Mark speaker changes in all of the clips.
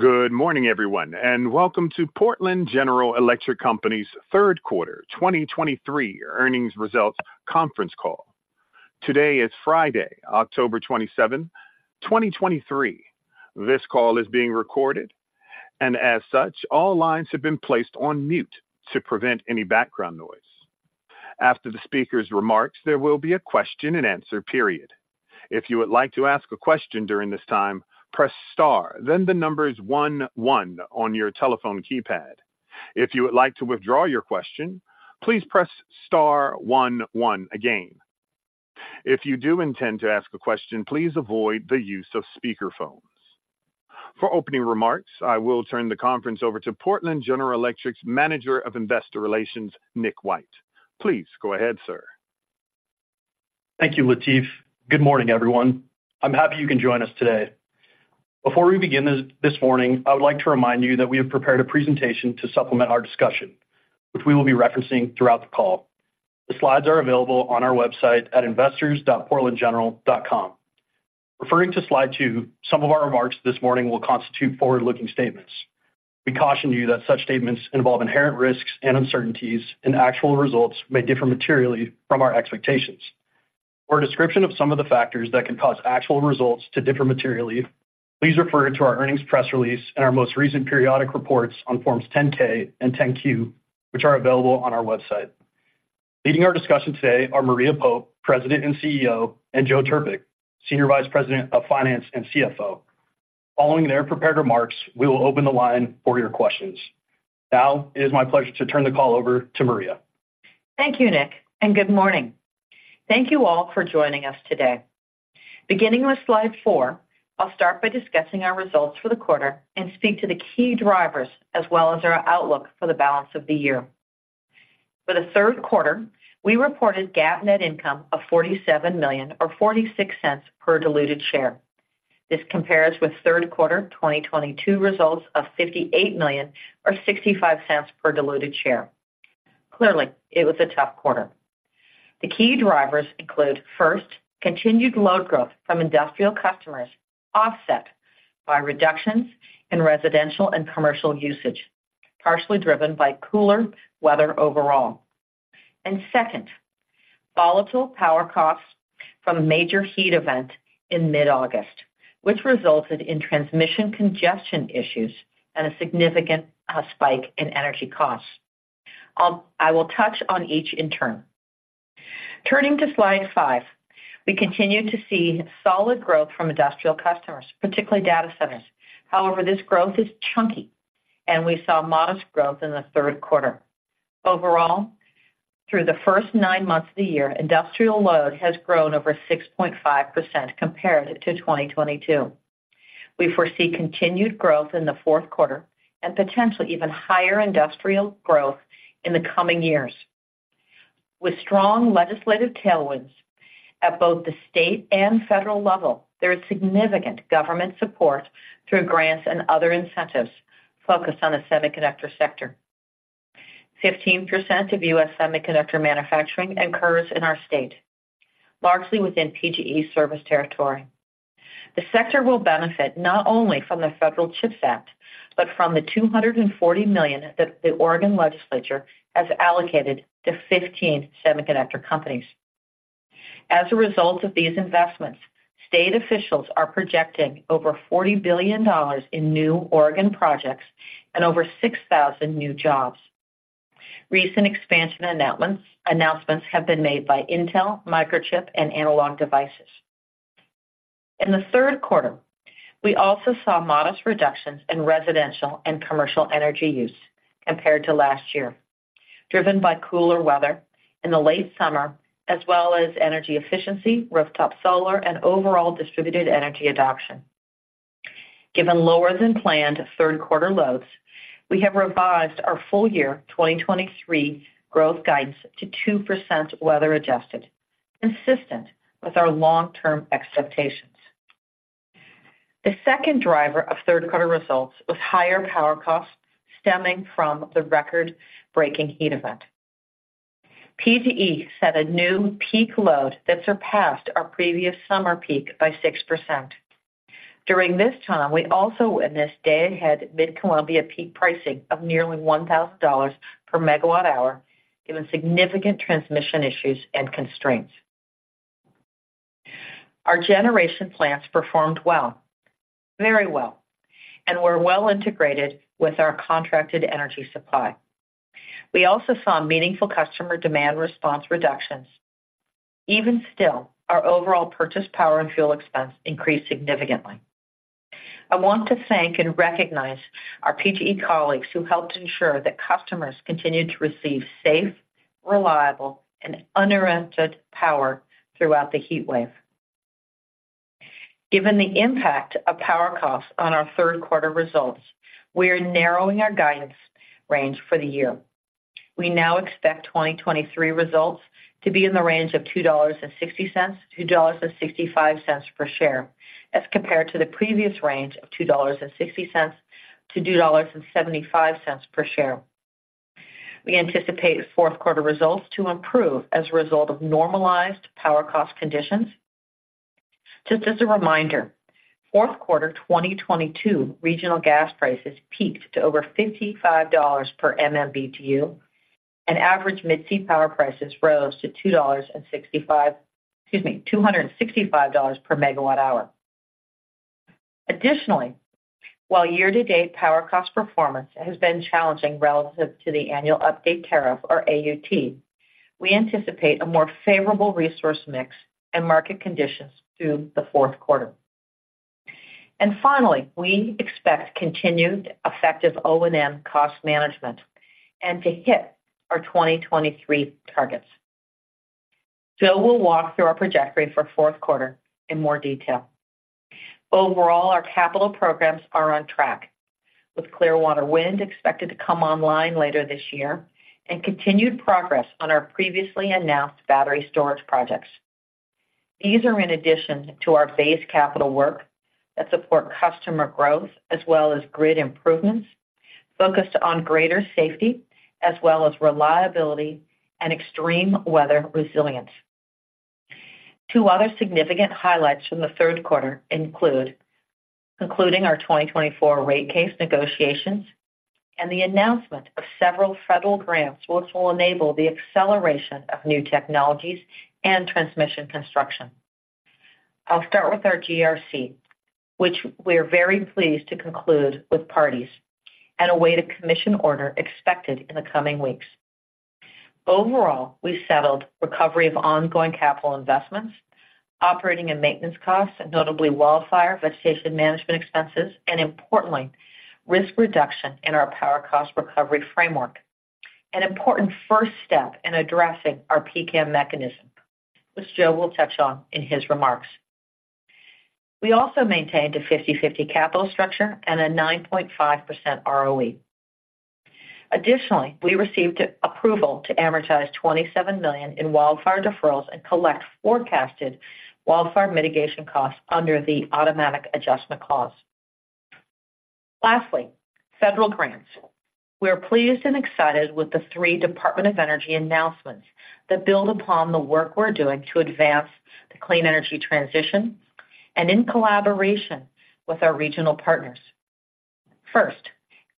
Speaker 1: Good morning, everyone, and welcome to Portland General Electric Company's third quarter 2023 earnings results conference call. Today is Friday, October 27th, 2023. This call is being recorded, and as such, all lines have been placed on mute to prevent any background noise. After the speaker's remarks, there will be a question-and-answer period. If you would like to ask a question during this time, press star, then the numbers one one on your telephone keypad. If you would like to withdraw your question, please press star one one again. If you do intend to ask a question, please avoid the use of speakerphones. For opening remarks, I will turn the conference over to Portland General Electric's Manager of Investor Relations, Nick White. Please go ahead, sir.
Speaker 2: Thank you, Latif. Good morning, everyone. I'm happy you can join us today. Before we begin this morning, I would like to remind you that we have prepared a presentation to supplement our discussion, which we will be referencing throughout the call. The slides are available on our website at investors.portlandgeneral.com. Referring to slide two, some of our remarks this morning will constitute forward-looking statements. We caution you that such statements involve inherent risks and uncertainties, and actual results may differ materially from our expectations. For a description of some of the factors that can cause actual results to differ materially, please refer to our earnings press release and our most recent periodic reports on Forms 10-K and 10-Q, which are available on our website. Leading our discussion today are Maria Pope, President and CEO, and Joe Trpik, Senior Vice President of Finance and CFO. Following their prepared remarks, we will open the line for your questions. Now it is my pleasure to turn the call over to Maria.
Speaker 3: Thank you, Nick, and good morning. Thank you all for joining us today. Beginning with slide four, I'll start by discussing our results for the quarter and speak to the key drivers as well as our outlook for the balance of the year. For the third quarter, we reported GAAP net income of $47 million or $0.46 per diluted share. This compares with third quarter 2022 results of $58 million or $0.65 per diluted share. Clearly, it was a tough quarter. The key drivers include, first, continued load growth from industrial customers, offset by reductions in residential and commercial usage, partially driven by cooler weather overall. And second, volatile power costs from a major heat event in mid-August, which resulted in transmission congestion issues and a significant spike in energy costs. I will touch on each in turn. Turning to slide five, we continued to see solid growth from industrial customers, particularly data centers. However, this growth is chunky, and we saw modest growth in the third quarter. Overall, through the first nine months of the year, industrial load has grown over 6.5% compared to 2022. We foresee continued growth in the fourth quarter and potentially even higher industrial growth in the coming years. With strong legislative tailwinds at both the state and federal level, there is significant government support through grants and other incentives focused on the semiconductor sector. 15% of U.S. semiconductor manufacturing occurs in our state, largely within PGE service territory. The sector will benefit not only from the federal CHIPS Act but from the $240 million that the Oregon Legislature has allocated to 15 semiconductor companies. As a result of these investments, state officials are projecting over $40 billion in new Oregon projects and over 6,000 new jobs. Recent expansion announcements have been made by Intel, Microchip, and Analog Devices. In the third quarter, we also saw modest reductions in residential and commercial energy use compared to last year, driven by cooler weather in the late summer, as well as energy efficiency, rooftop solar, and overall distributed energy adoption. Given lower-than-planned third-quarter loads, we have revised our full-year 2023 growth guidance to 2%, weather-adjusted, consistent with our long-term expectations. The second driver of third-quarter results was higher power costs stemming from the record-breaking heat event. PGE set a new peak load that surpassed our previous summer peak by 6%. During this time, we also witnessed day-ahead Mid-Columbia peak pricing of nearly $1,000 per MWh, given significant transmission issues and constraints. Our generation plants performed well, very well, and were well integrated with our contracted energy supply. We also saw meaningful customer demand response reductions. Even still, our overall purchased power and fuel expense increased significantly. I want to thank and recognize our PGE colleagues who helped ensure that customers continued to receive safe, reliable, and uninterrupted power throughout the heatwave. Given the impact of power costs on our third-quarter results, we are narrowing our guidance range for the year. We now expect 2023 results to be in the range of $2.60-$2.65 per share, as compared to the previous range of $2.60-$2.75 per share. We anticipate fourth-quarter results to improve as a result of normalized power cost conditions. Just as a reminder, fourth quarter 2022 regional gas prices peaked to over $55 per MMBtu, and average Mid-C power prices rose to $265 per MWh. Additionally, while year-to-date power cost performance has been challenging relative to the annual update tariff or AUT, we anticipate a more favorable resource mix and market conditions through the fourth quarter. And finally, we expect continued effective O&M cost management and to hit our 2023 targets. Joe will walk through our trajectory for fourth quarter in more detail. Overall, our capital programs are on track, with Clearwater Wind expected to come online later this year, and continued progress on our previously announced battery storage projects. These are in addition to our base capital work that support customer growth as well as grid improvements, focused on greater safety as well as reliability and extreme weather resilience. Two other significant highlights from the third quarter include: concluding our 2024 rate case negotiations and the announcement of several federal grants, which will enable the acceleration of new technologies and transmission construction. I'll start with our GRC, which we are very pleased to conclude with parties, and await a commission order expected in the coming weeks. Overall, we settled recovery of ongoing capital investments, operating and maintenance costs, and notably, wildfire vegetation management expenses, and importantly, risk reduction in our power cost recovery framework. An important first step in addressing our PCAM mechanism, which Joe will touch on in his remarks. We also maintained a 50/50 capital structure and a 9.5% ROE. Additionally, we received approval to amortize $27 million in wildfire deferrals and collect forecasted wildfire mitigation costs under the automatic adjustment clause. Lastly, federal grants. We are pleased and excited with the three Department of Energy announcements that build upon the work we're doing to advance the clean energy transition and in collaboration with our regional partners. First,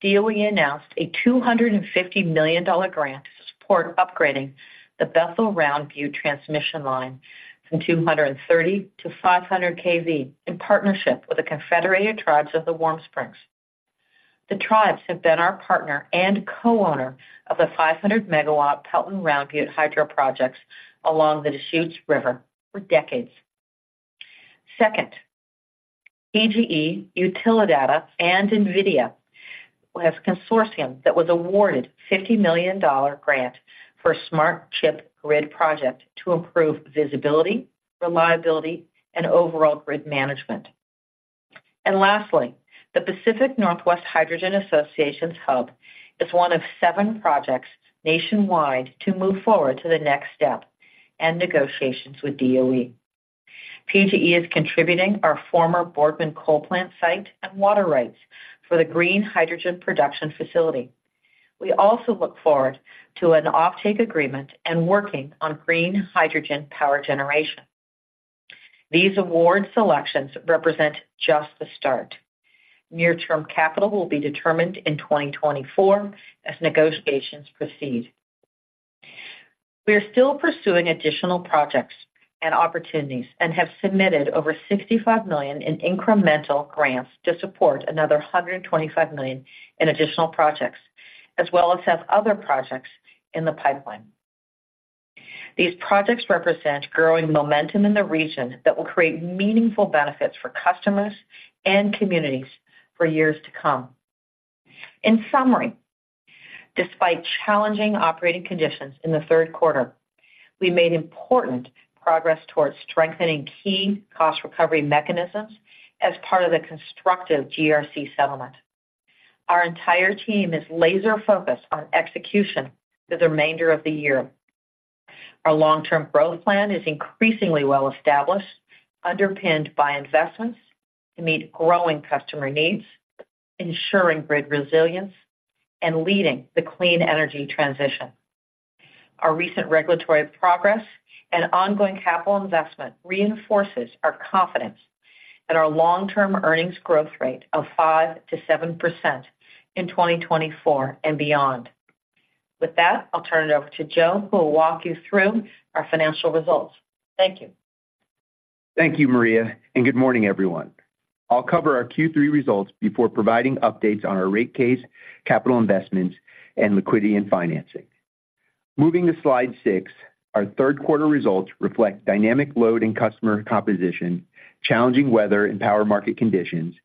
Speaker 3: DOE announced a $250 million grant to support upgrading the Bethel-Round Butte transmission line from 230 to 500 kV, in partnership with the Confederated Tribes of the Warm Springs. The tribes have been our partner and co-owner of the 500 MW Pelton Round Butte Hydro projects along the Deschutes River for decades. Second, PGE, Utilidata, and NVIDIA has a consortium that was awarded $50 million grant for a smart chip grid project to improve visibility, reliability, and overall grid management. Lastly, the Pacific Northwest Hydrogen Association's hub is one of seven projects nationwide to move forward to the next step and negotiations with DOE. PGE is contributing our former Boardman coal plant site and water rights for the green hydrogen production facility. We also look forward to an offtake agreement and working on green hydrogen power generation. These award selections represent just the start. Near-term capital will be determined in 2024 as negotiations proceed. We are still pursuing additional projects and opportunities, and have submitted over $65 million in incremental grants to support another $125 million in additional projects, as well as have other projects in the pipeline. These projects represent growing momentum in the region that will create meaningful benefits for customers and communities for years to come. In summary, despite challenging operating conditions in the third quarter, we made important progress towards strengthening key cost recovery mechanisms as part of the constructive GRC settlement. Our entire team is laser-focused on execution for the remainder of the year. Our long-term growth plan is increasingly well established, underpinned by investments to meet growing customer needs, ensuring grid resilience, and leading the clean energy transition. Our recent regulatory progress and ongoing capital investment reinforces our confidence in our long-term earnings growth rate of 5%-7% in 2024 and beyond. With that, I'll turn it over to Joe, who will walk you through our financial results. Thank you.
Speaker 4: Thank you, Maria, and good morning, everyone. I'll cover our Q3 results before providing updates on our rate case, capital investments, and liquidity and financing. Moving to slide six, our third quarter results reflect dynamic load and customer composition, challenging weather and power market conditions,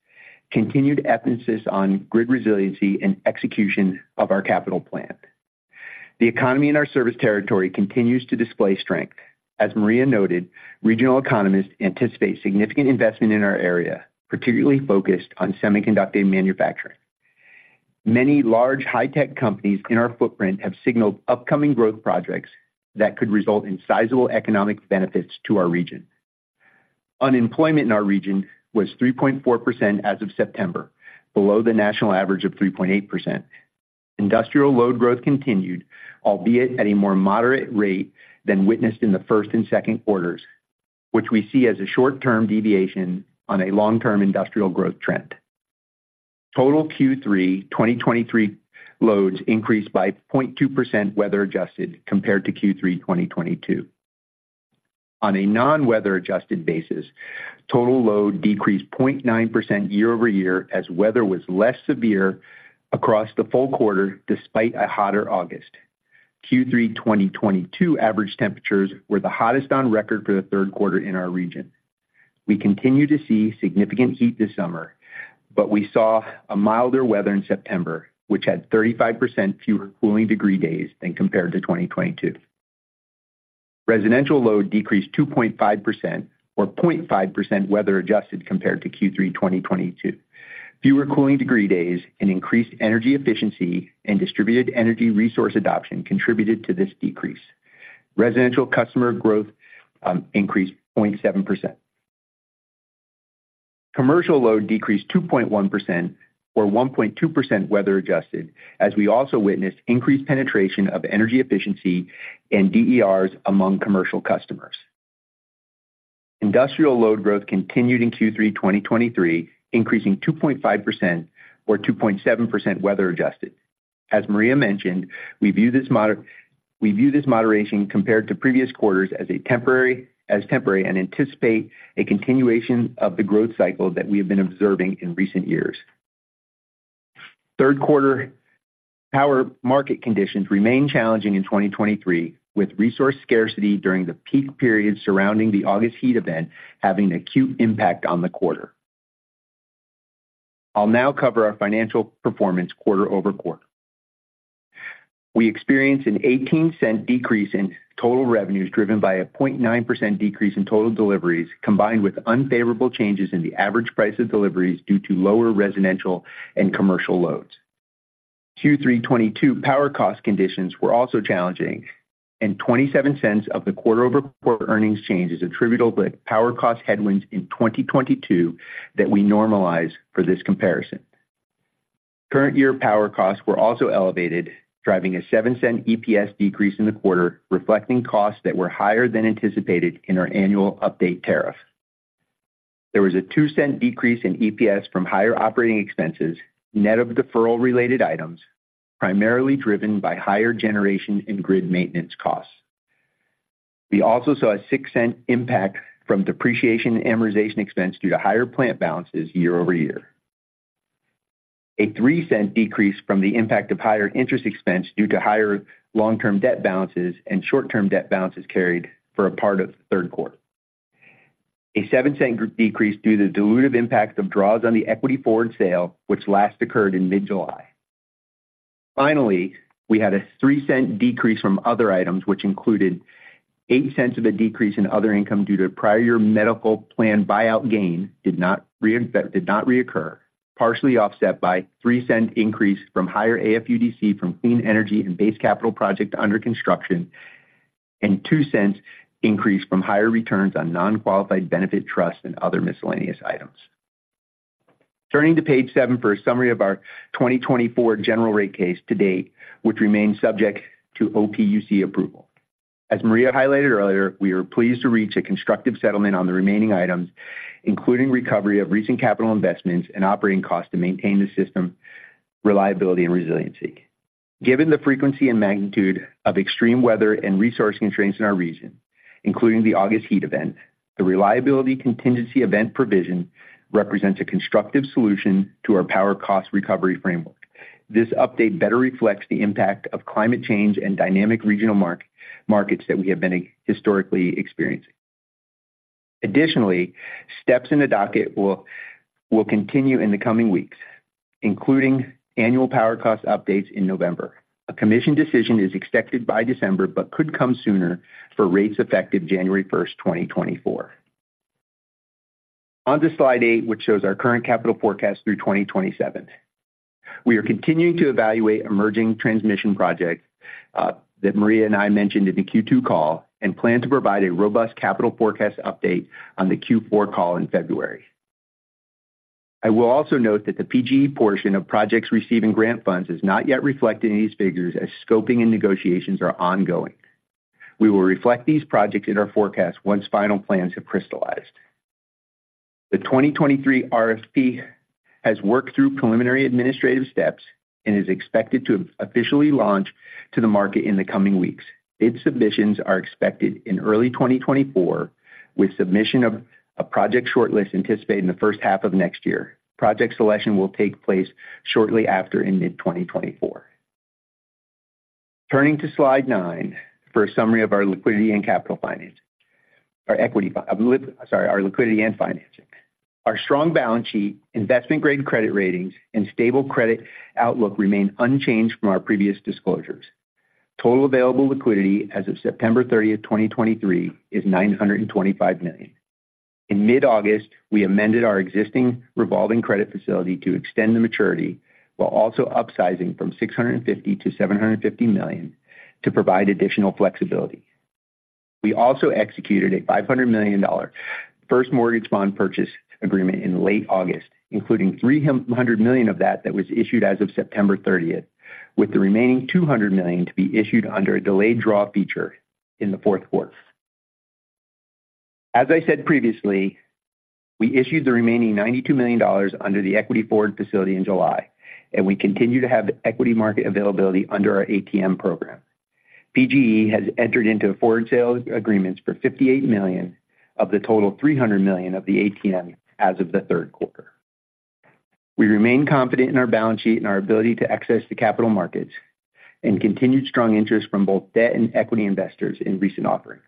Speaker 4: continued emphasis on grid resiliency, and execution of our capital plan. The economy in our service territory continues to display strength. As Maria noted, regional economists anticipate significant investment in our area, particularly focused on semiconductor manufacturing. Many large high-tech companies in our footprint have signaled upcoming growth projects that could result in sizable economic benefits to our region. Unemployment in our region was 3.4% as of September, below the national average of 3.8%. Industrial load growth continued, albeit at a more moderate rate than witnessed in the first and second quarters, which we see as a short-term deviation on a long-term industrial growth trend. Total Q3 2023 loads increased by 0.2% weather-adjusted compared to Q3 2022. On a non-weather-adjusted basis, total load decreased 0.9% year-over-year as weather was less severe across the full quarter, despite a hotter August. Q3 2022 average temperatures were the hottest on record for the third quarter in our region. We continue to see significant heat this summer, but we saw a milder weather in September, which had 35% fewer cooling degree days than compared to 2022. Residential load decreased 2.5%, or 0.5% weather-adjusted compared to Q3 2022. Fewer cooling degree days and increased energy efficiency and distributed energy resource adoption contributed to this decrease. Residential customer growth increased 0.7%. Commercial load decreased 2.1%, or 1.2% weather-adjusted, as we also witnessed increased penetration of energy efficiency and DERs among commercial customers. Industrial load growth continued in Q3 2023, increasing 2.5% or 2.7% weather-adjusted. As Maria mentioned, we view this moderation compared to previous quarters as temporary, and anticipate a continuation of the growth cycle that we have been observing in recent years. Third quarter power market conditions remain challenging in 2023, with resource scarcity during the peak period surrounding the August heat event having an acute impact on the quarter. I'll now cover our financial performance quarter over quarter. We experienced a $0.18 decrease in total revenues, driven by a 0.9% decrease in total deliveries, combined with unfavorable changes in the average price of deliveries due to lower residential and commercial loads. Q3 2022 power cost conditions were also challenging, and $0.27 of the quarter-over-quarter earnings change is attributable to power cost headwinds in 2022 that we normalize for this comparison. Current year power costs were also elevated, driving a $0.07 EPS decrease in the quarter, reflecting costs that were higher than anticipated in our annual update tariff. There was a $0.02 decrease in EPS from higher operating expenses, net of deferral-related items, primarily driven by higher generation and grid maintenance costs. We also saw a $0.06 impact from depreciation and amortization expense due to higher plant balances year-over-year. A $0.03 decrease from the impact of higher interest expense due to higher long-term debt balances and short-term debt balances carried for a part of the third quarter. A $0.07 decrease due to the dilutive impact of draws on the equity forward sale, which last occurred in mid-July. Finally, we had a $0.03 decrease from other items, which included $0.08 of a decrease in other income due to a prior medical plan buyout gain, did not reoccur, partially offset by $0.03 increase from higher AFUDC from clean energy and base capital project under construction, and $0.02 increase from higher returns on non-qualified benefit trusts and other miscellaneous items. Turning to page seven for a summary of our 2024 general rate case to date, which remains subject to OPUC approval. As Maria highlighted earlier, we are pleased to reach a constructive settlement on the remaining items, including recovery of recent capital investments and operating costs to maintain the system reliability and resiliency. Given the frequency and magnitude of extreme weather and resource constraints in our region, including the August heat event, the reliability contingency event provision represents a constructive solution to our power cost recovery framework. This update better reflects the impact of climate change and dynamic regional markets that we have been historically experiencing. Additionally, steps in the docket will continue in the coming weeks, including annual power cost updates in November. A commission decision is expected by December, but could come sooner for rates effective January 1, 2024. On to slide eight, which shows our current capital forecast through 2027. We are continuing to evaluate emerging transmission projects that Maria and I mentioned in the Q2 call, and plan to provide a robust capital forecast update on the Q4 call in February. I will also note that the PGE portion of projects receiving grant funds is not yet reflected in these figures, as scoping and negotiations are ongoing. We will reflect these projects in our forecast once final plans have crystallized. The 2023 RFP has worked through preliminary administrative steps and is expected to officially launch to the market in the coming weeks. Bid submissions are expected in early 2024, with submission of a project shortlist anticipated in the first half of next year. Project selection will take place shortly after, in mid-2024. Turning to slide nine for a summary of our liquidity and capital financing. Our equity, our liquidity and financing. Our strong balance sheet, investment-grade credit ratings, and stable credit outlook remain unchanged from our previous disclosures. Total available liquidity as of September 30, 2023, is $925 million. In mid-August, we amended our existing revolving credit facility to extend the maturity, while also upsizing from $650 million to $750 million to provide additional flexibility. We also executed a $500 million first mortgage bond purchase agreement in late August, including $300 million of that, that was issued as of September 30, with the remaining $200 million to be issued under a delayed draw feature in the fourth quarter. As I said previously, we issued the remaining $92 million under the equity forward facility in July, and we continue to have equity market availability under our ATM program. PGE has entered into forward sales agreements for $58 million of the total $300 million of the ATM as of the third quarter. We remain confident in our balance sheet and our ability to access the capital markets, and continued strong interest from both debt and equity investors in recent offerings.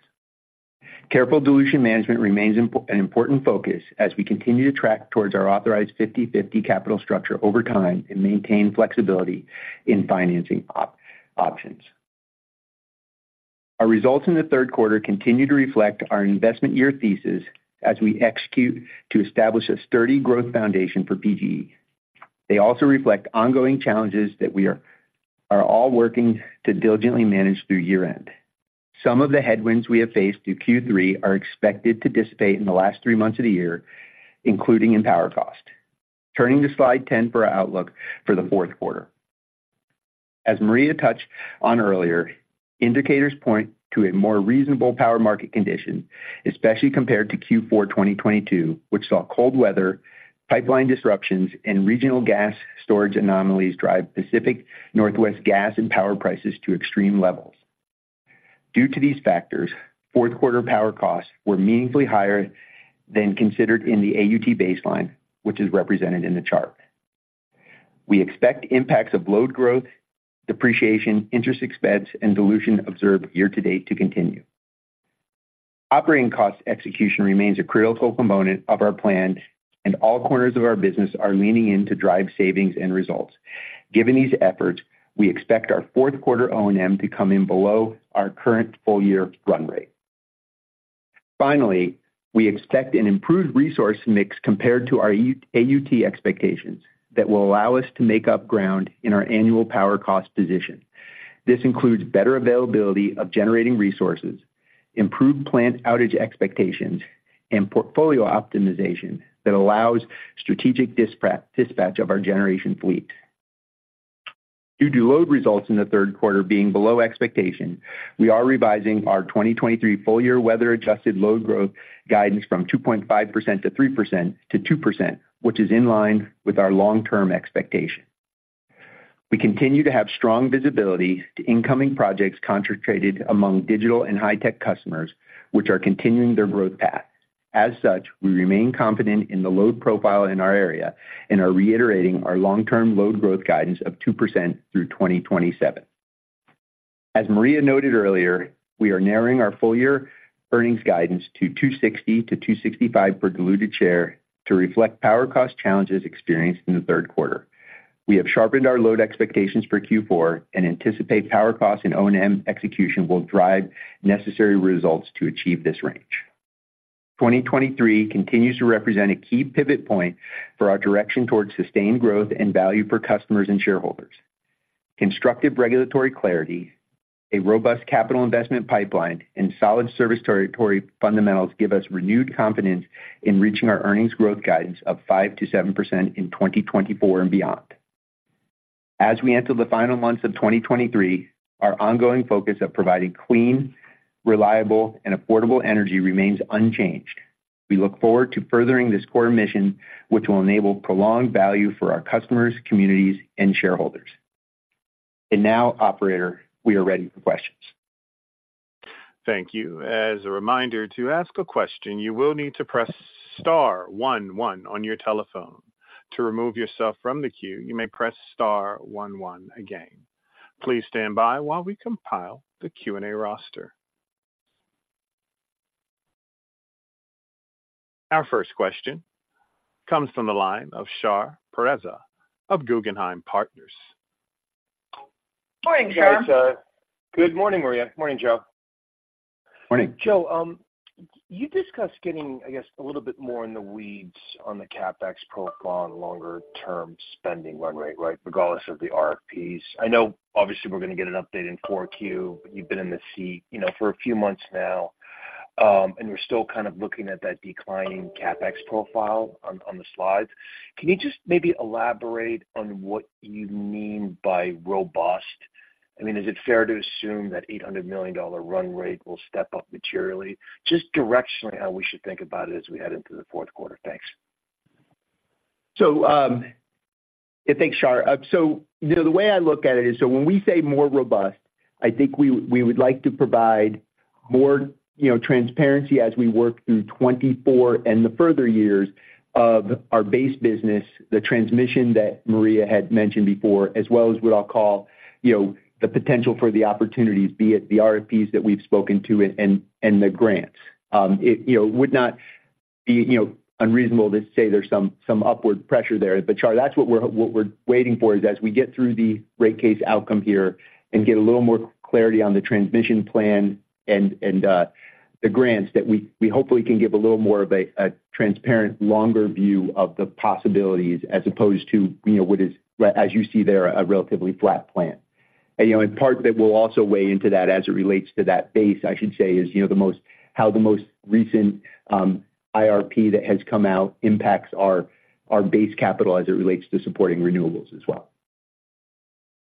Speaker 4: Careful dilution management remains an important focus as we continue to track towards our authorized 50/50 capital structure over time and maintain flexibility in financing options. Our results in the third quarter continue to reflect our investment year thesis as we execute to establish a sturdy growth foundation for PGE. They also reflect ongoing challenges that we are all working to diligently manage through year-end. Some of the headwinds we have faced through Q3 are expected to dissipate in the last three months of the year, including in power cost. Turning to slide 10 for our outlook for the fourth quarter. As Maria touched on earlier, indicators point to a more reasonable power market condition, especially compared to Q4, 2022, which saw cold weather, pipeline disruptions, and regional gas storage anomalies drive Pacific Northwest gas and power prices to extreme levels. Due to these factors, fourth quarter power costs were meaningfully higher than considered in the AUT baseline, which is represented in the chart. We expect impacts of load growth, depreciation, interest expense, and dilution observed year-to-date to continue. Operating cost execution remains a critical component of our plan, and all corners of our business are leaning in to drive savings and results. Given these efforts, we expect our fourth quarter O&M to come in below our current full year run rate. Finally, we expect an improved resource mix compared to our AUT expectations, that will allow us to make up ground in our annual power cost position. This includes better availability of generating resources, improved plant outage expectations, and portfolio optimization that allows strategic dispatch of our generation fleet. Due to load results in the third quarter being below expectations, we are revising our 2023 full-year weather-adjusted load growth guidance from 2.5%-3% to 2%, which is in line with our long-term expectation. We continue to have strong visibility to incoming projects concentrated among digital and high-tech customers, which are continuing their growth path. As such, we remain confident in the load profile in our area and are reiterating our long-term load growth guidance of 2% through 2027. As Maria noted earlier, we are narrowing our full-year earnings guidance to $2.60 to $2.65 per diluted share to reflect power cost challenges experienced in the third quarter. We have sharpened our load expectations for Q4 and anticipate power costs and O&M execution will drive necessary results to achieve this range. 2023 continues to represent a key pivot point for our direction towards sustained growth and value for customers and shareholders. Constructive regulatory clarity, a robust capital investment pipeline, and solid service territory fundamentals give us renewed confidence in reaching our earnings growth guidance of 5%-7% in 2024 and beyond. As we enter the final months of 2023, our ongoing focus of providing clean, reliable, and affordable energy remains unchanged. We look forward to furthering this core mission, which will enable prolonged value for our customers, communities, and shareholders. Now, operator, we are ready for questions.
Speaker 1: Thank you. As a reminder, to ask a question, you will need to press star one one on your telephone. To remove yourself from the queue, you may press star one one again. Please stand by while we compile the Q&A roster. Our first question comes from the line of Shar Pourreza of Guggenheim Partners.
Speaker 3: Morning, Shar.
Speaker 5: Good morning, Maria. Morning, Joe.
Speaker 4: Morning.
Speaker 5: Joe, you discussed getting, I guess, a little bit more in the weeds on the CapEx profile on longer term spending run rate, right? Regardless of the RFPs. I know obviously we're going to get an update in 4Q. You've been in the seat, you know, for a few months now, and we're still kind of looking at that declining CapEx profile on, on the slides. Can you just maybe elaborate on what you mean by robust? I mean, is it fair to assume that $800 million run rate will step up materially? Just directionally, how we should think about it as we head into the fourth quarter. Thanks.
Speaker 4: So, yeah, thanks, Shar. So you know, the way I look at it is so when we say more robust, I think we would like to provide more, you know, transparency as we work through 2024 and the further years of our base business, the transmission that Maria had mentioned before, as well as what I'll call, you know, the potential for the opportunities, be it the RFPs that we've spoken to and the grants. It, you know, would not be, you know, unreasonable to say there's some upward pressure there. But Shar, that's what we're waiting for, is as we get through the rate case outcome here and get a little more clarity on the transmission plan and the grants, that we hopefully can give a little more of a transparent, longer view of the possibilities, as opposed to, you know, what is, as you see there, a relatively flat plan. And, you know, in part, that will also weigh into that as it relates to that base, I should say, is, you know, the most-- how the most recent, IRP that has come out impacts our, our base capital as it relates to supporting renewables as well.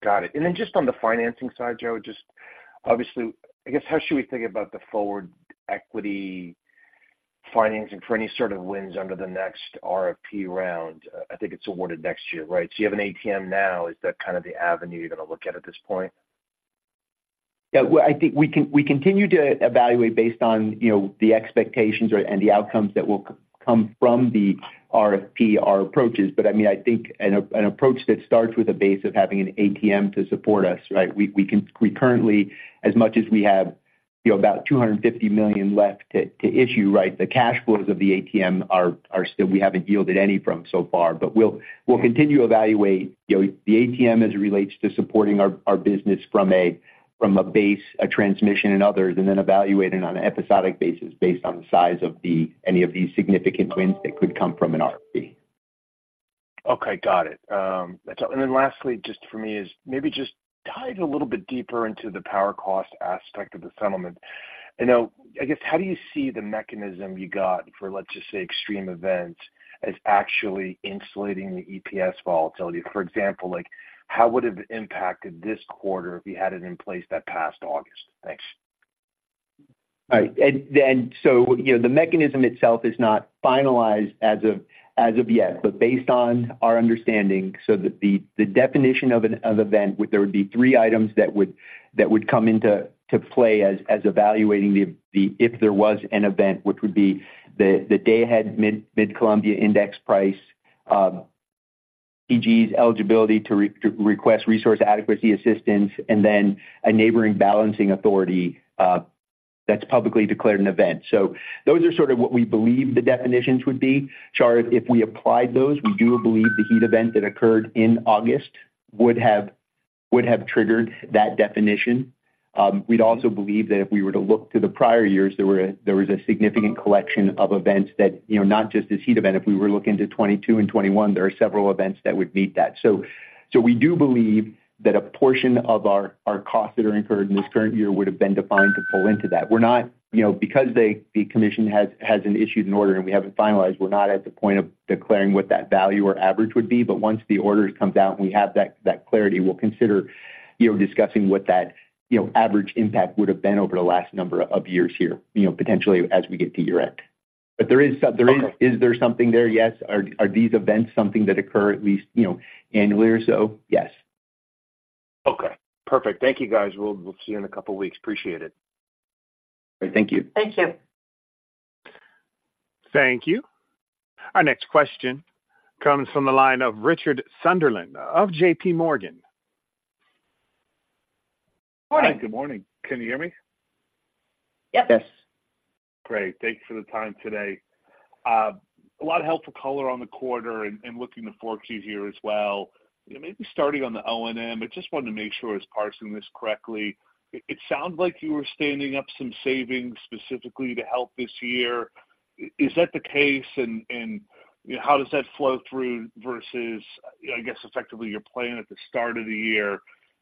Speaker 5: Got it. And then just on the financing side, Joe, just obviously, I guess, how should we think about the forward equity financing for any sort of wins under the next RFP round? I think it's awarded next year, right? So you have an ATM now. Is that kind of the avenue you're going to look at this point?
Speaker 4: Yeah, well, I think we continue to evaluate based on, you know, the expectations or, and the outcomes that will come from the RFP, our approaches. But, I mean, I think an approach that starts with a base of having an ATM to support us, right? We currently, as much as we have, you know, about $250 million left to issue, right? The cash flows of the ATM are still. We haven't yielded any from so far, but we'll continue to evaluate, you know, the ATM as it relates to supporting our business from a base, a transmission in others, and then evaluate it on an episodic basis based on the size of any of these significant wins that could come from an RFP.
Speaker 5: Okay, got it. And then lastly, just for me, is maybe just dive a little bit deeper into the power cost aspect of the settlement. I know, I guess, how do you see the mechanism you got for, let's just say, extreme events as actually insulating the EPS volatility? For example, like, how would it have impacted this quarter if you had it in place that past August? Thanks.
Speaker 4: Right. So, you know, the mechanism itself is not finalized as of yet, but based on our understanding, the definition of an event, there would be three items that would come into play as evaluating if there was an event, which would be the day-ahead Mid-Columbia index price, PGE's eligibility to request resource adequacy assistance, and then a neighboring balancing authority that's publicly declared an event. So those are sort of what we believe the definitions would be. Shar, if we applied those, we do believe the heat event that occurred in August would have triggered that definition. We'd also believe that if we were to look to the prior years, there was a significant collection of events that, you know, not just this heat event. If we were looking to 2022 and 2021, there are several events that would meet that. So we do believe that a portion of our costs that are incurred in this current year would have been defined to pull into that. We're not, you know, because the commission hasn't issued an order and we haven't finalized, we're not at the point of declaring what that value or average would be. But once the order comes out and we have that clarity, we'll consider, you know, discussing what that, you know, average impact would have been over the last number of years here, you know, potentially as we get to year-end. But there is, so there is Is there something there? Yes. Are these events something that occur at least, you know, annually or so? Yes.
Speaker 5: Okay, perfect. Thank you, guys. We'll, we'll see you in a couple of weeks. Appreciate it.
Speaker 4: Thank you.
Speaker 3: Thank you.
Speaker 1: Thank you. Our next question comes from the line of Richard Sunderland of JPMorgan.
Speaker 3: Morning.
Speaker 6: Good morning. Can you hear me?
Speaker 3: Yep.
Speaker 4: Yes.
Speaker 6: Great. Thank you for the time today. A lot of helpful color on the quarter and looking to forecast here as well. You know, maybe starting on the O&M, I just wanted to make sure I was parsing this correctly. It sounds like you were standing up some savings specifically to help this year. Is that the case? And you know, how does that flow through versus, I guess, effectively, your plan at the start of the year?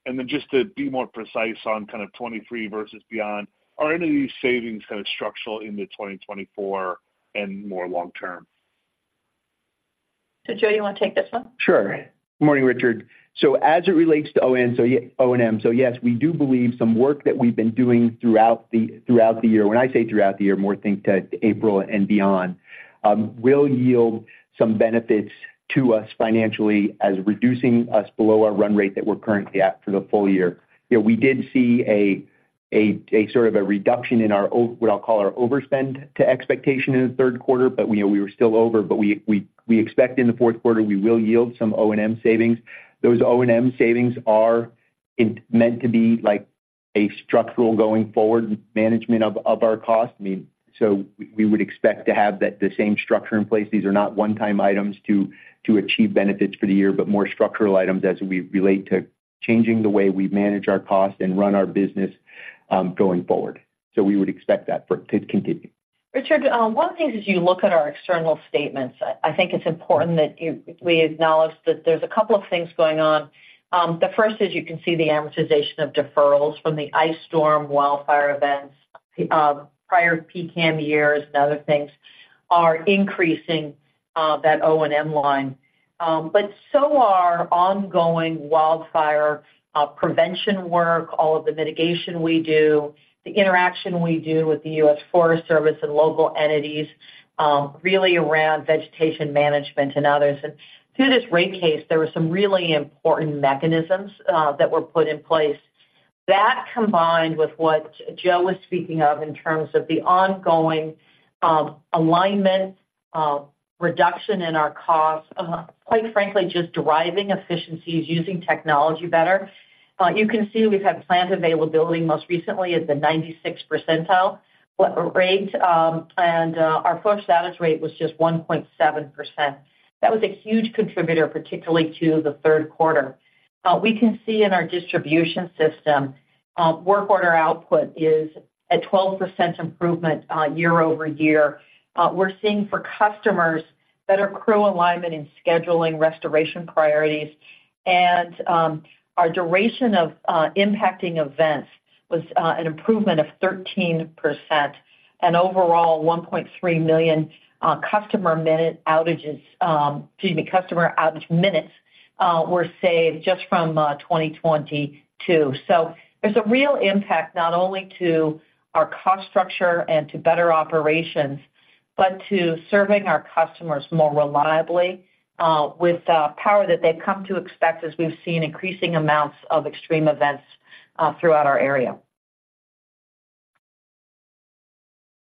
Speaker 6: And then just to be more precise on kind of 2023 versus beyond, are any of these savings kind of structural into 2024 and more long term?
Speaker 3: So, Joe, you want to take this one?
Speaker 4: Sure. Good morning, Richard. So as it relates to O&M, so yes, we do believe some work that we've been doing throughout the year. When I say throughout the year, more to April and beyond, will yield some benefits to us financially as reducing us below our run rate that we're currently at for the full year. You know, we did see a sort of a reduction in our overspend to expectation in the third quarter, but, you know, we were still over, but we expect in the fourth quarter, we will yield some O&M savings. Those O&M savings are intended to be like a structural going forward management of our costs. I mean, so we would expect to have that, the same structure in place. These are not one-time items to achieve benefits for the year, but more structural items as we relate to changing the way we manage our costs and run our business, going forward. So we would expect that for to continue.
Speaker 3: Richard, one of the things as you look at our external statements, I think it's important that we acknowledge that there's a couple of things going on. The first is you can see the amortization of deferrals from the ice storm, wildfire events, prior PCAM years and other things are increasing that O&M line. But so are ongoing wildfire prevention work, all of the mitigation we do, the interaction we do with the U.S. Forest Service and local entities, really around vegetation management and others. And through this rate case, there were some really important mechanisms that were put in place. That combined with what Joe was speaking of in terms of the ongoing alignment, reduction in our costs, quite frankly, just deriving efficiencies, using technology better. You can see we've had plant availability most recently at the 96th percentile, and our forced outage rate was just 1.7%. That was a huge contributor, particularly to the third quarter. We can see in our distribution system work order output is a 12% improvement year-over-year. We're seeing for customers better crew alignment in scheduling restoration priorities. And our duration of impacting events was an improvement of 13%, and overall, 1.3 million customer minute outages, excuse me, customer outage minutes, were saved just from 2022. There's a real impact not only to our cost structure and to better operations, but to serving our customers more reliably with power that they've come to expect as we've seen increasing amounts of extreme events throughout our area.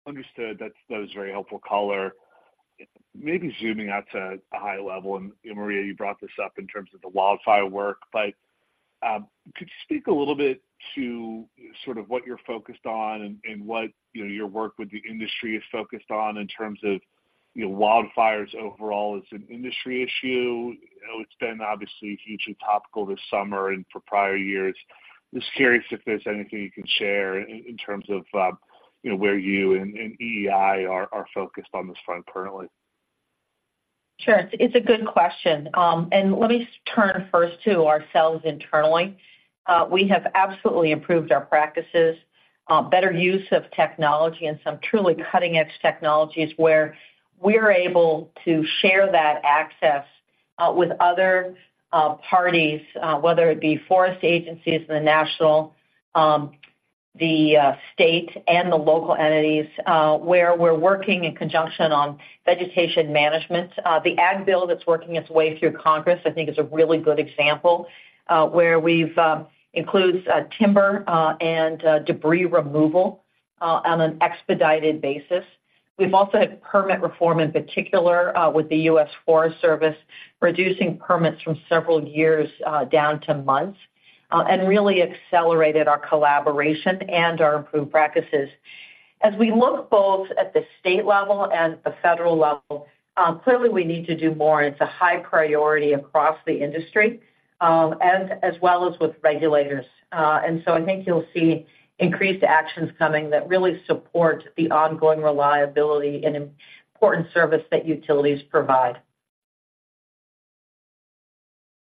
Speaker 6: Understood. That's, that was very helpful, caller. Maybe zooming out to a high level, and Maria, you brought this up in terms of the wildfire work, but could you speak a little bit to sort of what you're focused on and, and what, you know, your work with the industry is focused on in terms of, you know, wildfires overall as an industry issue? It's been obviously hugely topical this summer and for prior years. Just curious if there's anything you can share in terms of, you know, where you and EEI are, are focused on this front currently.
Speaker 3: Sure. It's a good question. And let me turn first to ourselves internally. We have absolutely improved our practices, better use of technology and some truly cutting-edge technologies where we're able to share that access with other parties, whether it be forest agencies in the national, the state and the local entities, where we're working in conjunction on vegetation management. The ag bill that's working its way through Congress, I think is a really good example, where we've includes timber and debris removal on an expedited basis. We've also had permit reform, in particular, with the U.S. Forest Service, reducing permits from several years down to months, and really accelerated our collaboration and our improved practices. As we look both at the state level and the federal level, clearly we need to do more, and it's a high priority across the industry, and as well as with regulators. So I think you'll see increased actions coming that really support the ongoing reliability and important service that utilities provide.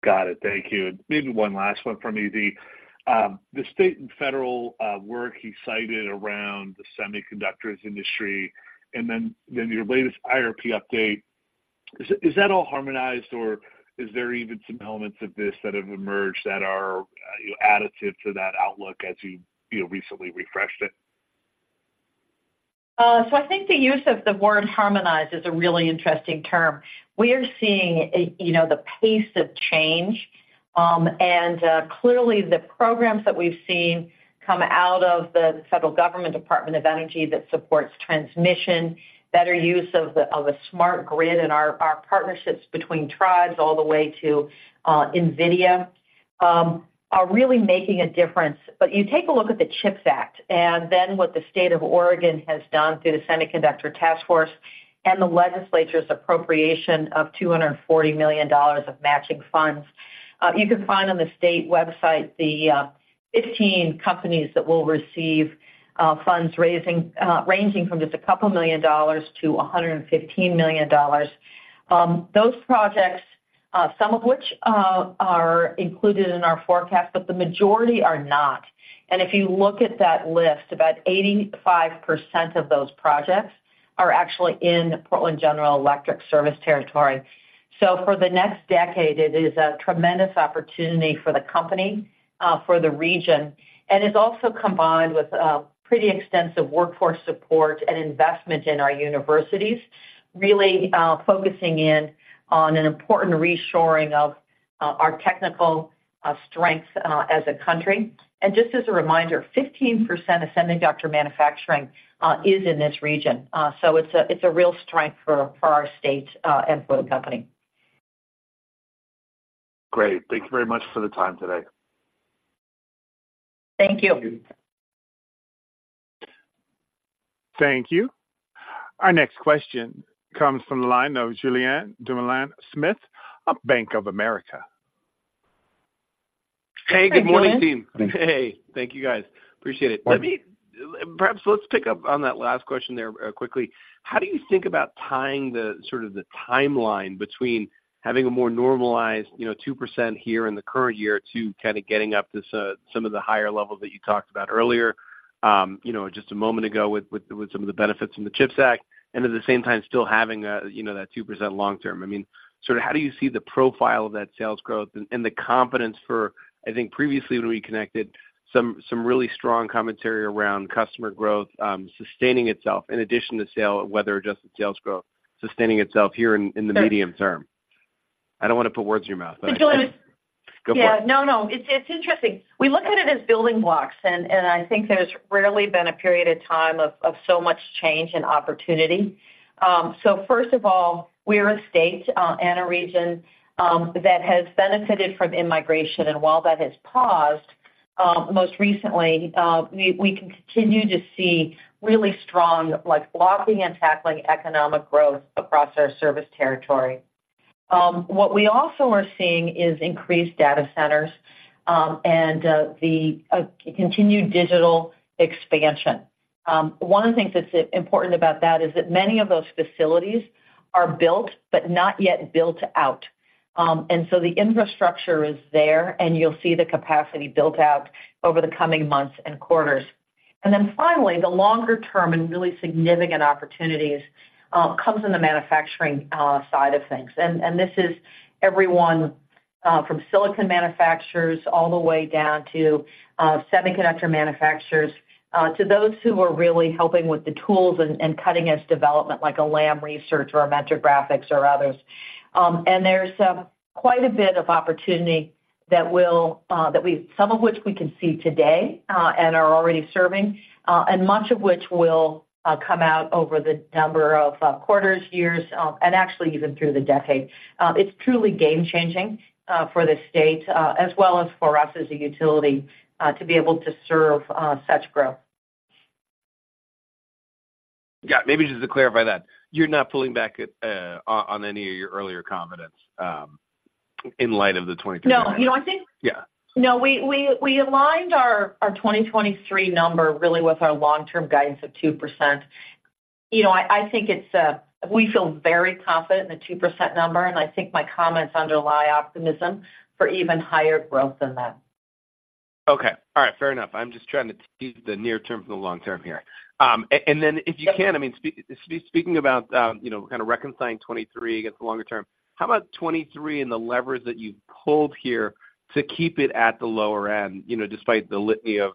Speaker 6: Got it. Thank you. Maybe one last one from me. The state and federal work you cited around the semiconductors industry, and then your latest IRP update, is that all harmonized, or is there even some elements of this that have emerged that are additive to that outlook as you know recently refreshed it?
Speaker 3: So I think the use of the word harmonized is a really interesting term. We are seeing, you know, the pace of change, and clearly the programs that we've seen come out of the federal government, Department of Energy, that supports transmission, better use of a smart grid, and our, our partnerships between tribes all the way to, NVIDIA, are really making a difference. But you take a look at the CHIPS Act and then what the state of Oregon has done through the Semiconductor Task Force and the legislature's appropriation of $240 million of matching funds. You can find on the state website the, 15 companies that will receive, funds raising ranging from just a couple million dollars to $115 million. Those projects, some of which are included in our forecast, but the majority are not. And if you look at that list, about 85% of those projects are actually in Portland General Electric service territory. So for the next decade, it is a tremendous opportunity for the company, for the region, and it's also combined with a pretty extensive workforce support and investment in our universities, really focusing in on an important reshoring of our technical strengths as a country. And just as a reminder, 15% of semiconductor manufacturing is in this region. So it's a real strength for our state and for the company.
Speaker 6: Great. Thank you very much for the time today.
Speaker 3: Thank you.
Speaker 1: Thank you. Our next question comes from the line of Julien Dumoulin-Smith of Bank of America.
Speaker 7: Hey, good morning, team.
Speaker 3: Hey.
Speaker 7: Hey, thank you, guys. Appreciate it. Let me, perhaps let's pick up on that last question there, quickly. How do you think about tying the sort of the timeline between having a more normalized, you know, 2% here in the current year to kind of getting up to, some of the higher levels that you talked about earlier, you know, just a moment ago, with some of the benefits from the CHIPS Act, and at the same time, still having, you know, that 2% long term? I mean, sort of how do you see the profile of that sales growth and the confidence for, I think, previously when we connected some, some really strong commentary around customer growth, sustaining itself in addition to sale, whether adjusted sales growth, sustaining itself here in the medium term. I don't want to put words in your mouth.
Speaker 3: And Julian...
Speaker 7: Go for it.
Speaker 3: Yeah, no, no. It's interesting. We look at it as building blocks, and, and I think there's rarely been a period of time of, of so much change and opportunity. So first of all, we're a state, and a region, that has benefited from immigration, and while that has paused, most recently, we, we continue to see really strong, like, blocking and tackling economic growth across our service territory. What we also are seeing is increased data centers, and, the, continued digital expansion. One of the things that's important about that is that many of those facilities are built but not yet built out. And so the infrastructure is there, and you'll see the capacity built out over the coming months and quarters. And then finally, the longer term and really significant opportunities comes in the manufacturing side of things. And this is everyone from silicon manufacturers all the way down to semiconductor manufacturers to those who are really helping with the tools and cutting-edge development, like a Lam Research or a Mentor Graphics or others. And there's quite a bit of opportunity that will some of which we can see today and are already serving and much of which will come out over the number of quarters, years and actually even through the decade. It's truly game-changing for the state as well as for us as a utility to be able to serve such growth.
Speaker 7: Yeah, maybe just to clarify that, you're not pulling back on any of your earlier comments in light of the 2023?
Speaker 3: No. You know, I think-
Speaker 7: Yeah.
Speaker 3: No, we aligned our 2023 number really with our long-term guidance of 2%. You know, I think it's we feel very confident in the 2% number, and I think my comments underlie optimism for even higher growth than that.
Speaker 7: Okay. All right, fair enough. I'm just trying to tease the near term from the long term here. And then if you can, I mean, speaking about, you know, kind of reconciling 2023 against the longer term, how about 2023 and the levers that you've pulled here to keep it at the lower end, you know, despite the litany of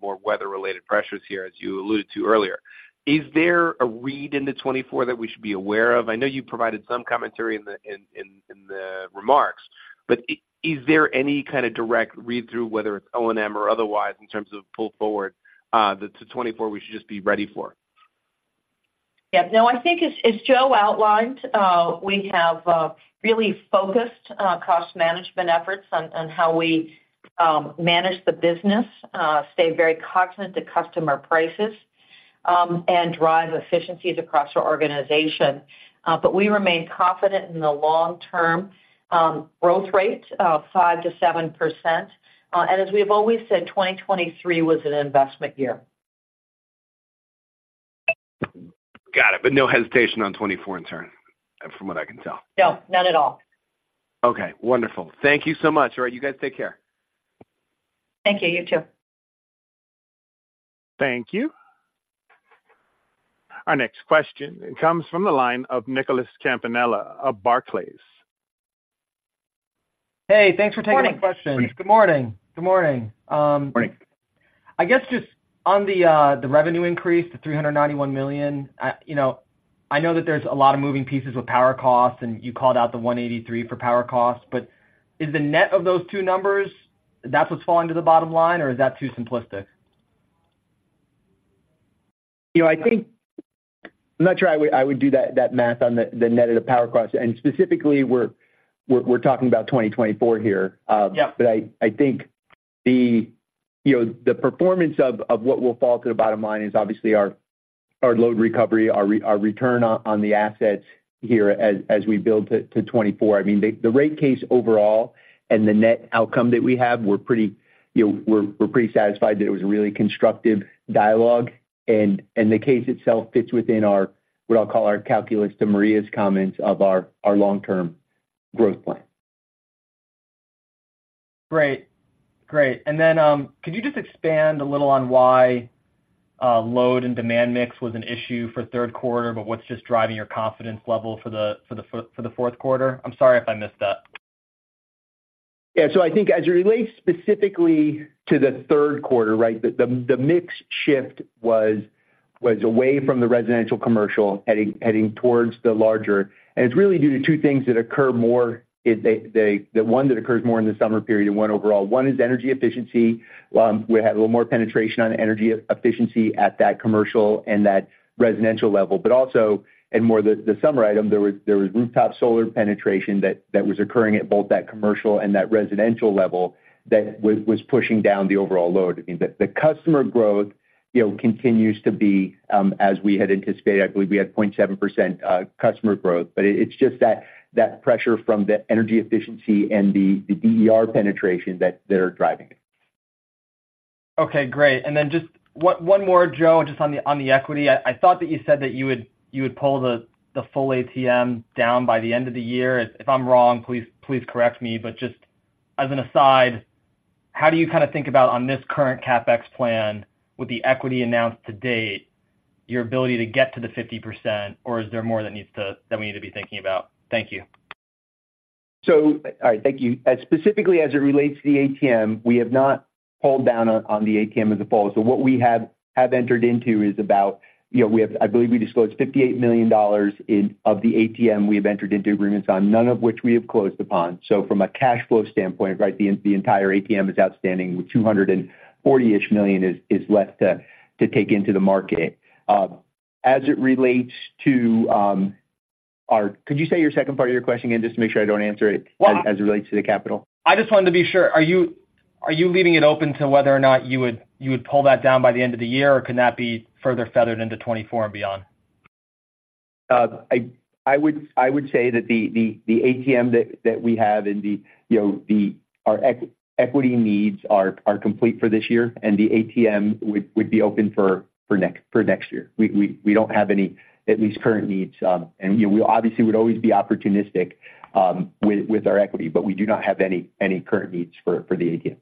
Speaker 7: more weather-related pressures here, as you alluded to earlier? Is there a read into 2024 that we should be aware of? I know you provided some commentary in the remarks, but is there any kind of direct read-through, whether it's O&M or otherwise, in terms of pull forward to 2024 we should just be ready for?
Speaker 3: Yeah. No, I think as Joe outlined, we have really focused cost management efforts on how we manage the business, stay very cognizant to customer prices, and drive efficiencies across our organization. But we remain confident in the long-term growth rate of 5%-7%. And as we have always said, 2023 was an investment year.
Speaker 4: Got it, but no hesitation on 2024 in turn, from what I can tell?
Speaker 3: No, none at all.
Speaker 4: Okay, wonderful. Thank you so much. All right, you guys take care.
Speaker 3: Thank you. You too.
Speaker 1: Thank you. Our next question comes from the line of Nicholas Campanella of Barclays.
Speaker 8: Hey, thanks for taking my question.
Speaker 3: Morning.
Speaker 8: Good morning. Good morning,
Speaker 4: Morning.
Speaker 8: I guess, just on the revenue increase to $391 million, you know, I know that there's a lot of moving pieces with power costs, and you called out the $183 million for power costs, but is the net of those two numbers, that's what's falling to the bottom line, or is that too simplistic?
Speaker 4: You know, I think, I'm not sure I would do that math on the net of the power costs, and specifically, we're talking about 2024 here.
Speaker 8: Yep.
Speaker 4: But I think the, you know, the performance of what will fall to the bottom line is obviously our load recovery, our return on the assets here as we build to 2024. I mean, the rate case overall and the net outcome that we have, you know, we're pretty satisfied that it was a really constructive dialogue, and the case itself fits within our, what I'll call our calculus to Maria's comments of our long-term growth plan.
Speaker 8: Great. Great. And then, could you just expand a little on why load and demand mix was an issue for third quarter, but what's just driving your confidence level for the fourth quarter? I'm sorry if I missed that.
Speaker 4: Yeah. So I think as it relates specifically to the third quarter, right? The mix shift was away from the residential commercial, heading towards the larger. And it's really due to two things that occur more. The one that occurs more in the summer period and one overall. One is energy efficiency. We had a little more penetration on energy efficiency at that commercial and that residential level. But also, and more the summer item, there was rooftop solar penetration that was occurring at both that commercial and that residential level, that was pushing down the overall load. I mean, the customer growth, you know, continues to be as we had anticipated. I believe we had 0.7% customer growth, but it's just that pressure from the energy efficiency and the DER penetration that are driving it.
Speaker 8: Okay, great. Then just one more, Joe, just on the equity. I thought that you said that you would pull the full ATM down by the end of the year. If I'm wrong, please correct me. But just as an aside, how do you kind of think about on this current CapEx plan with the equity announced to date, your ability to get to the 50%, or is there more that needs to, that we need to be thinking about? Thank you.
Speaker 4: So, all right, thank you. Specifically, as it relates to the ATM, we have not pulled down on the ATM as a whole. So what we have entered into is about, you know, we have, I believe we disclosed $58 million of the ATM, we have entered into agreements on, none of which we have closed upon. So from a cash flow standpoint, right, the entire ATM is outstanding, with $240 million-ish left to take into the market. As it relates to our, could you say your second part of your question again, just to make sure I don't answer it as it relates to the capital?
Speaker 8: I just wanted to be sure. Are you leaving it open to whether or not you would, you would pull that down by the end of the year, or could that be further feathered into 2024 and beyond?
Speaker 4: I would say that the ATM that we have and, you know, our equity needs are complete for this year, and the ATM would be open for next year. We don't have any, at least current needs. And, you know, we obviously would always be opportunistic with our equity, but we do not have any current needs for the ATM.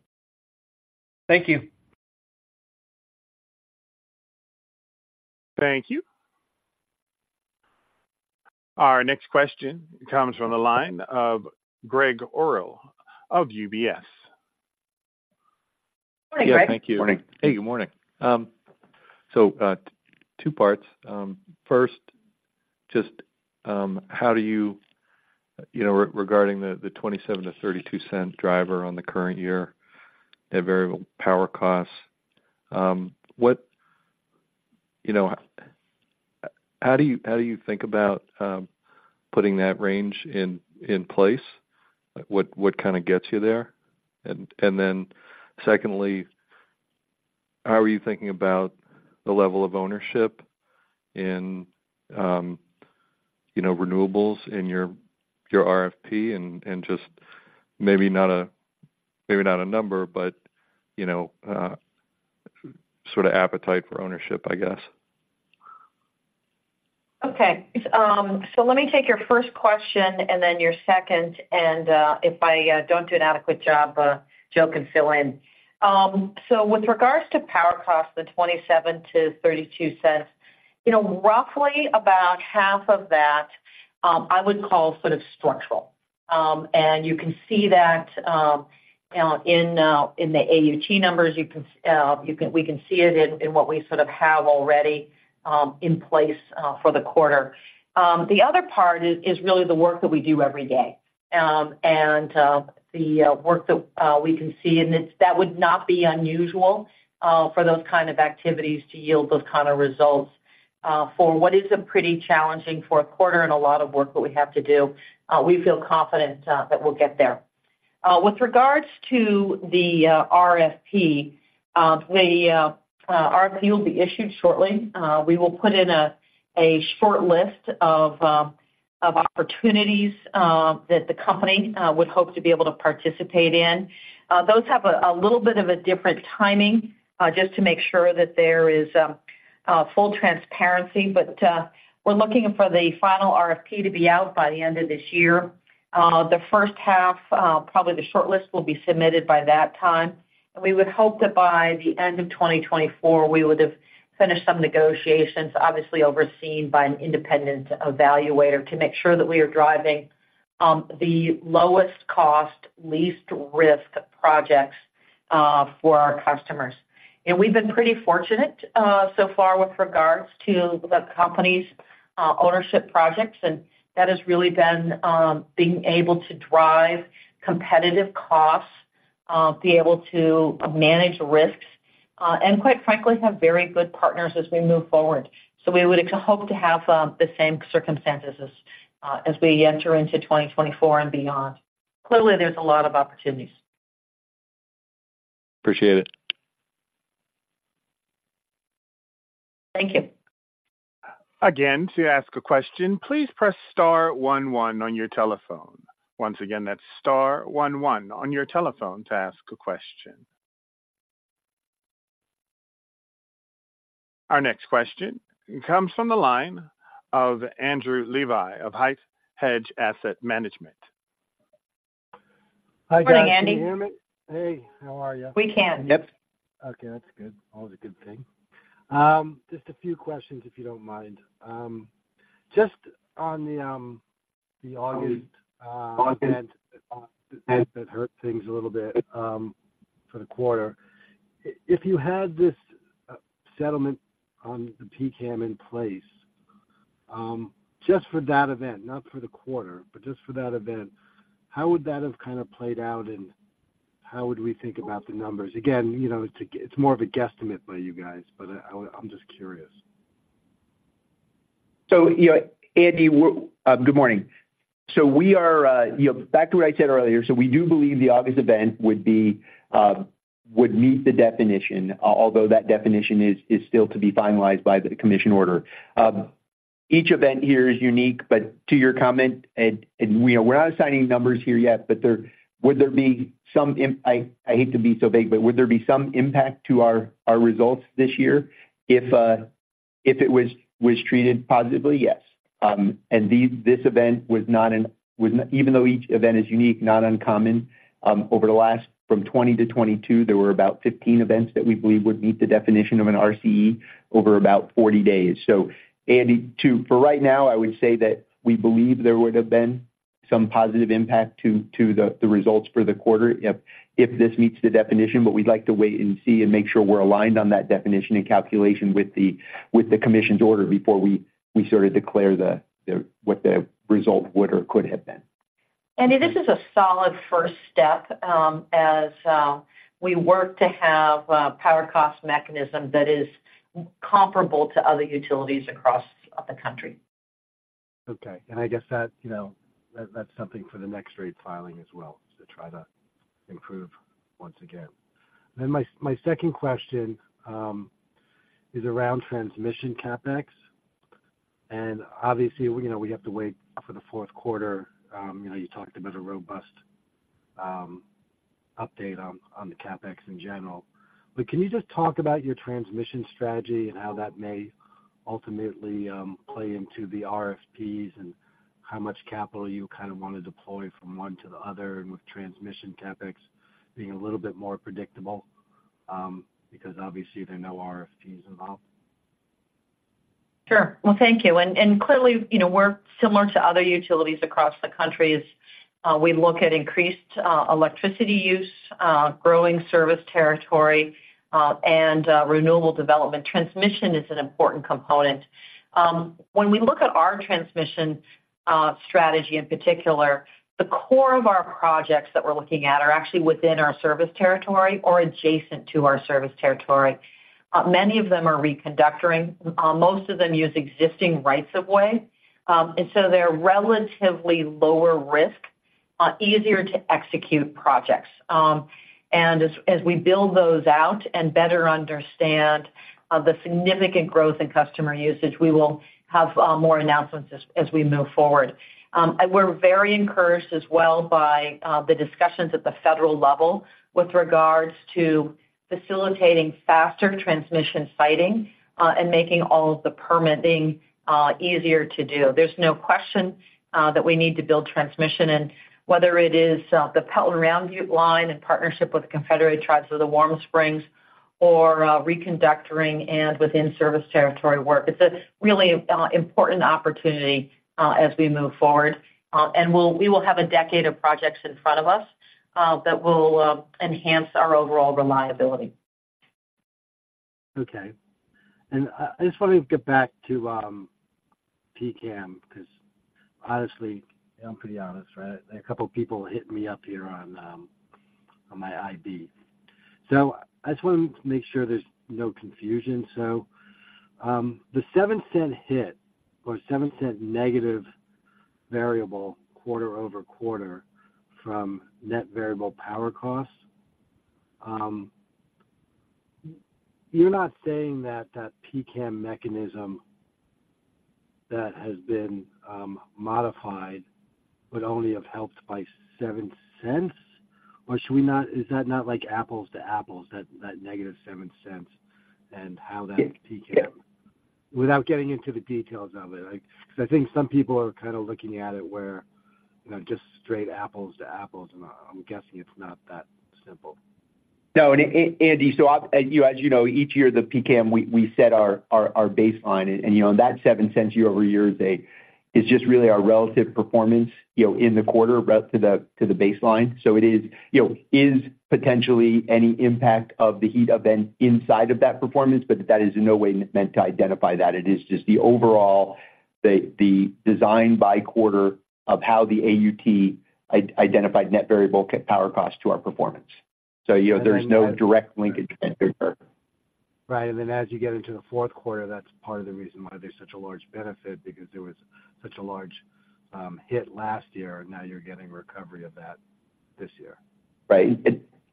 Speaker 8: Thank you.
Speaker 1: Thank you. Our next question comes from the line of Greg Orrill of UBS.
Speaker 3: Morning, Greg.
Speaker 4: Good morning.
Speaker 9: Hey, good morning. So, two parts. First, just, how do you, you know, regarding the, the $0.27-$0.32 driver on the current year, the variable power costs, what, you know, how do you think about putting that range in place? What kind of gets you there? And, then secondly, how are you thinking about the level of ownership in, you know, renewables in your RFP and, just maybe not a, maybe not a number, but, you know, sort of appetite for ownership, I guess?
Speaker 3: Okay. So let me take your first question and then your second, and if I don't do an adequate job, Joe can fill in. So with regards to power costs, the $0.27-$0.32, you know, roughly about half of that, I would call sort of structural. And you can see that, you know, in the AUT numbers. We can see it in what we sort of have already in place for the quarter. The other part is really the work that we do every day, and the work that we can see, and it's that would not be unusual for those kind of activities to yield those kind of results for what is a pretty challenging for a quarter and a lot of work that we have to do. We feel confident that we'll get there. With regards to the RFP, the RFP will be issued shortly. We will put in a short list of opportunities that the company would hope to be able to participate in. Those have a little bit of a different timing just to make sure that there is full transparency. But we're looking for the final RFP to be out by the end of this year. The first half, probably the shortlist will be submitted by that time. And we would hope that by the end of 2024, we would have finished some negotiations, obviously overseen by an independent evaluator, to make sure that we are driving the lowest cost, least risk projects for our customers. And we've been pretty fortunate so far with regards to the company's ownership projects, and that has really been being able to drive competitive costs, be able to manage risks, and quite frankly, have very good partners as we move forward. So we would hope to have the same circumstances as we enter into 2024 and beyond. Clearly, there's a lot of opportunities.
Speaker 9: Appreciate it.
Speaker 3: Thank you.
Speaker 1: Again, to ask a question, please press star one one on your telephone. Once again, that's star one one on your telephone to ask a question. Our next question comes from the line of Andrew Levi of HITE Hedge Asset Management.
Speaker 4: Hi, Andrew.
Speaker 3: Good morning, Andy.
Speaker 10: Can you hear me? Hey, how are you?
Speaker 3: We can.
Speaker 4: Yep.
Speaker 10: Okay, that's good. All is a good thing. Just a few questions, if you don't mind. Just on the August event that hurt things a little bit for the quarter. If you had this settlement on the PCAM in place, just for that event, not for the quarter, but just for that event, how would that have kind of played out, and how would we think about the numbers? Again, you know, it's more of a guesstimate by you guys, but I'm just curious.
Speaker 4: You know, Andy, we're... Good morning. We are, you know, back to what I said earlier, we do believe the August event would be, would meet the definition, although that definition is still to be finalized by the commission order. Each event here is unique, but to your comment, and, you know, we're not assigning numbers here yet, but would there be some impact-- I hate to be so vague, but would there be some impact to our results this year? If it was treated positively, yes. These, this event was not an, even though each event is unique, not uncommon, over the last from 2020 to 2022, there were about 15 events that we believe would meet the definition of an RCE over about 40 days. So Andy, for right now, I would say that we believe there would have been some positive impact to the results for the quarter if this meets the definition. But we'd like to wait and see and make sure we're aligned on that definition and calculation with the commission's order before we sort of declare what the result would or could have been.
Speaker 3: Andy, this is a solid first step, as we work to have a power cost mechanism that is comparable to other utilities across the country.
Speaker 10: Okay, and I guess that, you know, that, that's something for the next rate filing as well, to try to improve once again. Then my second question is around transmission CapEx. And obviously, you know, we have to wait for the fourth quarter. You know, you talked about a robust update on the CapEx in general. But can you just talk about your transmission strategy and how that may ultimately play into the RFPs, and how much capital you kind of want to deploy from one to the other, and with transmission CapEx being a little bit more predictable, because obviously there are no RFPs involved?
Speaker 3: Sure. Well, thank you. And clearly, you know, we're similar to other utilities across the country as we look at increased electricity use, growing service territory, and renewable development. Transmission is an important component. When we look at our transmission strategy, in particular, the core of our projects that we're looking at are actually within our service territory or adjacent to our service territory. Many of them are reconductoring. Most of them use existing rights of way. And so they're relatively lower risk, easier to execute projects. And as, as we build those out and better understand the significant growth in customer usage, we will have more announcements as, as we move forward. And we're very encouraged as well by the discussions at the federal level with regards to facilitating faster transmission siting and making all of the permitting easier to do. There's no question that we need to build transmission, and whether it is the Pelton Round Butte Line in partnership with the Confederated Tribes of the Warm Springs or reconductoring and within service territory work, it's a really important opportunity as we move forward. And we will have a decade of projects in front of us that will enhance our overall reliability.
Speaker 10: Okay. And, I just wanted to get back to, PCAM, 'cause honestly, I'm pretty honest, right? A couple people hit me up here on my ID. So I just wanted to make sure there's no confusion. So, the $0.07 hit or $0.07 negative variable quarter-over-quarter from net variable power costs, you're not saying that that PCAM mechanism that has been, modified, would only have helped by $0.07? Or should we not-- Is that not like apples to apples, that, that negative $0.07 and how that PCAM without getting into the details of it. Like, because I think some people are kind of looking at it where, you know, just straight apples to apples, and I'm guessing it's not that simple.
Speaker 4: No, and Andy, so as you know, each year, the PCAM, we set our baseline. And, you know, that $0.07 year over year is just really our relative performance, you know, in the quarter relative to the baseline. So it is, you know, potentially any impact of the heat event inside of that performance, but that is in no way meant to identify that. It is just the overall, the design by quarter of how the AUT identified net variable power cost to our performance. So, you know, there's no direct linkage there.
Speaker 10: Right. And then as you get into the fourth quarter, that's part of the reason why there's such a large benefit, because there was such a large hit last year, and now you're getting recovery of that this year.
Speaker 4: Right.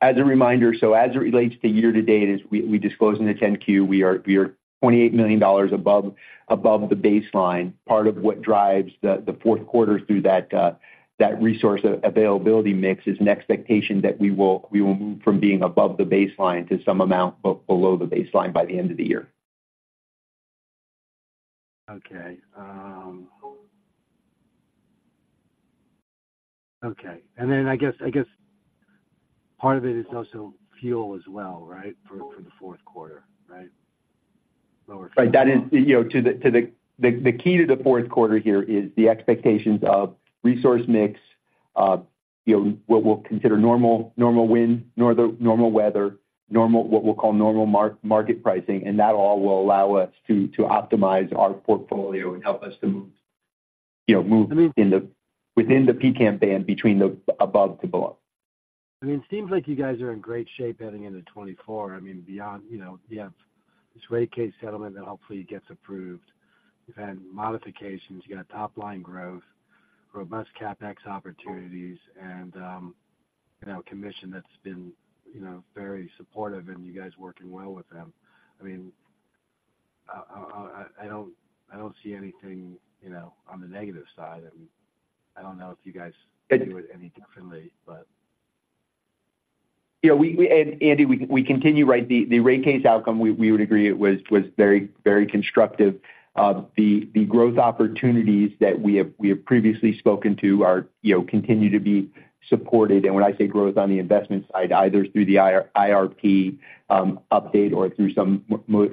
Speaker 4: As a reminder, so as it relates to year-to-date, as we disclosed in the 10-Q, we are $28 million above the baseline. Part of what drives the fourth quarter through that resource availability mix is an expectation that we will move from being above the baseline to some amount below the baseline by the end of the year.
Speaker 10: Okay, and then I guess, I guess part of it is also fuel as well, right? For the fourth quarter, right? Lower-
Speaker 4: Right. That is, you know, to the... The key to the fourth quarter here is the expectations of resource mix, you know, what we'll consider normal wind, normal weather, normal, what we'll call normal market pricing, and that all will allow us to optimize our portfolio and help us to move, you know, move within the PCAM band, between the above to below.
Speaker 10: I mean, it seems like you guys are in great shape heading into 2024. I mean, beyond, you know, you have this rate case settlement that hopefully gets approved. You've had modifications, you got top-line growth, robust CapEx opportunities, and, you know, a commission that's been, you know, very supportive and you guys working well with them. I mean, I don't see anything, you know, on the negative side. I mean, I don't know if you guys agree with any differently, but...
Speaker 4: Yeah, we continue, right. And Andy, we continue. The rate case outcome, we would agree it was very, very constructive. The growth opportunities that we have, we have previously spoken to are, you know, continue to be supported. And when I say growth on the investment side, either through the IRP update or through some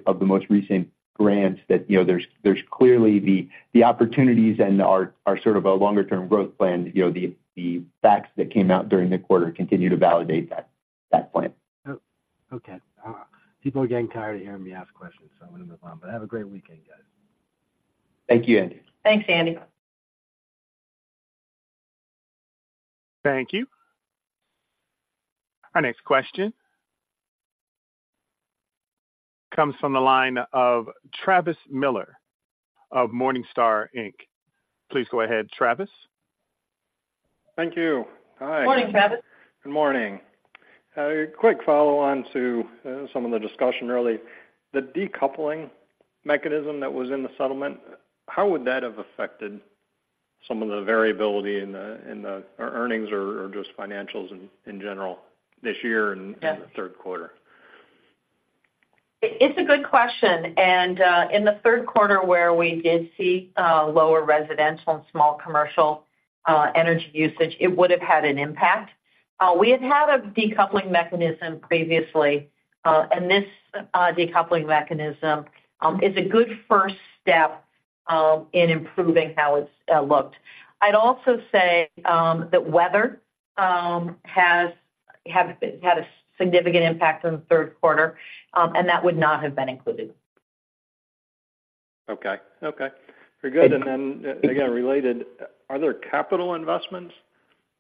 Speaker 4: of the most recent grants that, you know, there's clearly the opportunities and our sort of a longer term growth plan, you know, the facts that came out during the quarter continue to validate that plan.
Speaker 10: Oh, okay. People are getting tired of hearing me ask questions, so I'm going to move on. But have a great weekend, guys.
Speaker 4: Thank you, Andy.
Speaker 3: Thanks, Andy.
Speaker 1: Thank you. Our next question comes from the line of Travis Miller of Morningstar Inc. Please go ahead, Travis.
Speaker 11: Thank you. Hi.
Speaker 3: Morning, Travis.
Speaker 11: Good morning. A quick follow-on to some of the discussion earlier. The decoupling mechanism that was in the settlement, how would that have affected some of the variability in the earnings or just financials in general this year and in the third quarter?
Speaker 3: It's a good question, and in the third quarter, where we did see lower residential and small commercial energy usage, it would have had an impact. We have had a decoupling mechanism previously, and this decoupling mechanism is a good first step in improving how it's looked. I'd also say that weather has had a significant impact on the third quarter, and that would not have been included.
Speaker 11: Okay. Okay, very good. And then, again, related, are there capital investments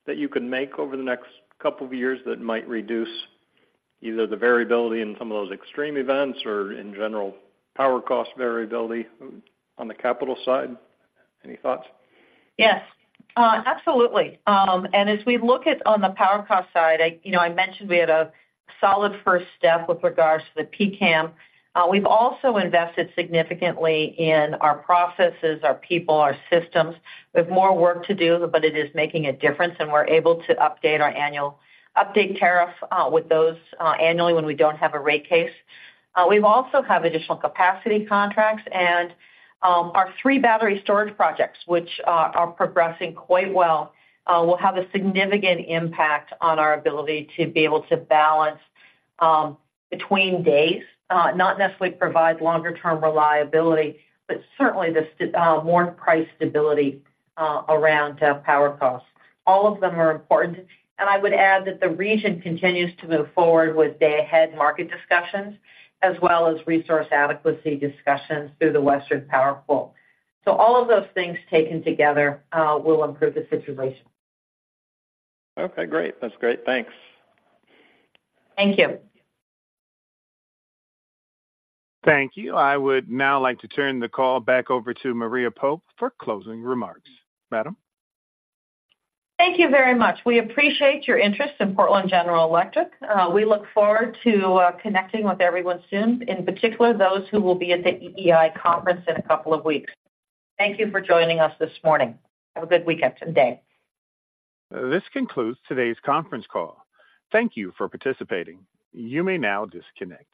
Speaker 11: that you can make over the next couple of years that might reduce either the variability in some of those extreme events or in general, power cost variability on the capital side? Any thoughts?
Speaker 3: Yes. Absolutely. And as we look at on the power cost side, I, you know, I mentioned we had a solid first step with regards to the PCAM. We've also invested significantly in our processes, our people, our systems. We have more work to do, but it is making a difference, and we're able to update our Annual Update Tariff with those annually when we don't have a rate case. We've also have additional capacity contracts, and our three battery storage projects, which are progressing quite well, will have a significant impact on our ability to be able to balance between days. Not necessarily provide longer-term reliability, but certainly the more price stability around power costs. All of them are important, and I would add that the region continues to move forward with day-ahead market discussions as well as resource adequacy discussions through the Western Power Pool. So all of those things taken together, will improve the situation.
Speaker 11: Okay, great. That's great. Thanks.
Speaker 3: Thank you.
Speaker 1: Thank you. I would now like to turn the call back over to Maria Pope for closing remarks. Madam?
Speaker 3: Thank you very much. We appreciate your interest in Portland General Electric. We look forward to connecting with everyone soon, in particular, those who will be at the EEI conference in a couple of weeks. Thank you for joining us this morning. Have a good weekend and day.
Speaker 1: This concludes today's conference call. Thank you for participating. You may now disconnect.